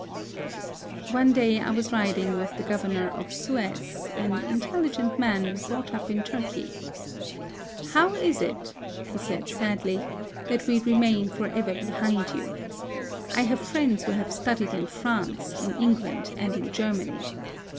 One day I was riding with the governor of Suez, an intelligent man, brought up in Turkey. How is it," he said, sadly, " that we re main for ever behind you ? I have friends who have studied in France, in England, and in Germany.